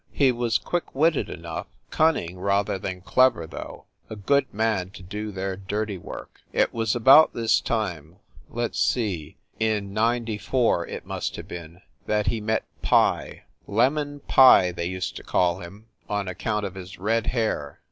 He was quick witted enough ; cunning, rather than clever, though ; a good man to do their dirty work. It was about this time let s see, in 94, it must have been that he met Pye. "Lemon" Pye they used to call him, on account of his red hair.